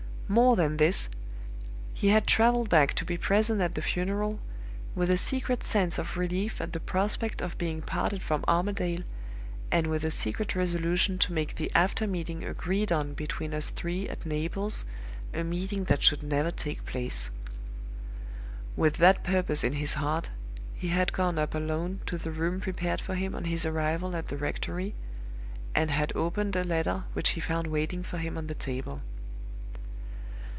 More than this, he had traveled back to be present at the funeral, with a secret sense of relief at the prospect of being parted from Armadale, and with a secret resolution to make the after meeting agreed on between us three at Naples a meeting that should never take place. With that purpose in his heart, he had gone up alone to the room prepared for him on his arrival at the rectory, and had opened a letter which he found waiting for him on the table.